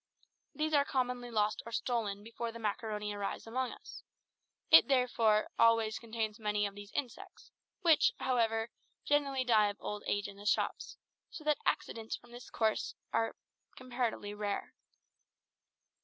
These are commonly lost or stolen before the maccaroni arrives among us. It, therefore, always contains many of these insects, which, however, generally die of old age in the shops, so that accidents from this source are comparatively rare.